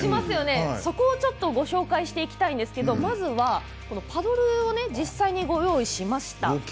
そこをご紹介していきたいんですがまずはパドルを実際にご用意しました。